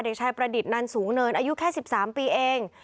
เด็กชายประดิษฐ์นันสูงเนินอายุแค่๑๓ปีเอง